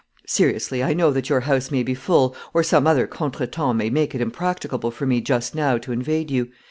Seriously, I know that your house may be full, or some other contretemps may make it impracticable for me just now to invade you.